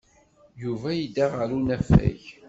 Yuba yedda ɣer unafag.